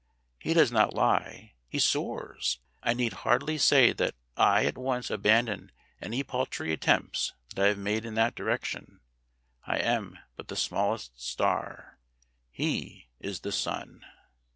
He does not lie, he soars. I need hardly say that I at once abandon any paltry attempts that I have made in that direction. I am but the smallest star; he is the sun."